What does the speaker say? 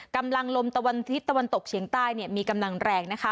กำลังลมตะวันทิศตะวันตกเฉียงใต้มีกำลังแรงนะคะ